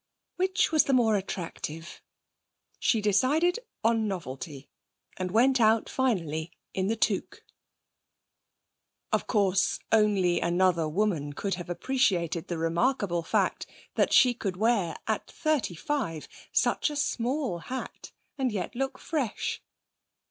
Which was the more attractive? She decided on novelty, and went out, finally, in the toque. Of course only another woman could have appreciated the remarkable fact that she could wear at thirty five such a small hat and yet look fresh.